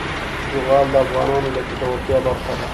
زغال د افغانانو د ګټورتیا برخه ده.